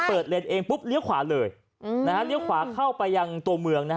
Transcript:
เลนส์เองปุ๊บเลี้ยวขวาเลยเลี้ยวขวาเข้าไปยังตัวเมืองนะฮะ